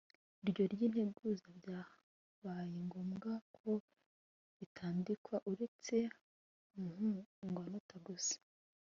iryo ry’integuza byabaye ngombwa ko ritandikwa uretse muhundwanota gusa.